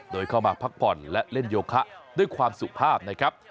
โดยเข้ามาพักผ่อนและเล่นโยคะด้วยความสุภาพนะครับ